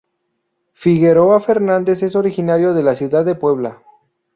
Figueroa Fernández es originario de la ciudad de Puebla.